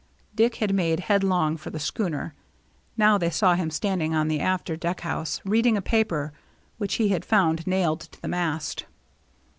Dick had made headlong for the schooner. Now they saw him standing on the after deck house, reading a paper which he had found nailed to the mast.